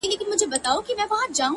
• لكه اوبه چي دېوال ووهي ويده سمه زه ـ